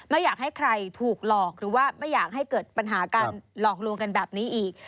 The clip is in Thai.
ไม่อยากให้ใครถูกหลอกหรือว่าไม่อยากให้เกิดปัญหาการหลอกลวงกันแบบนี้อีก